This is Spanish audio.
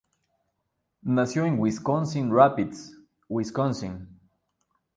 Nació en Wisconsin Rapids, Wisconsin.